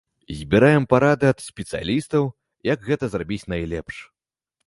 Збіраем парады ад спецыялістаў, як гэта зрабіць найлепш.